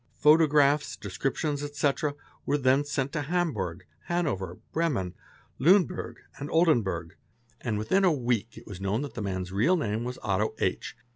Photographs, descriptions, etc., were then sent to Hamburg, _ Hanover, Bremen, Liineburg, and Oldenberg, and within a week it was known that the man's real name was Otto H.